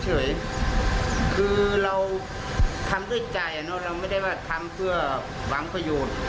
เฉยคือเราทำด้วยใจเราไม่ได้ว่าทำเพื่อหวังประโยชน์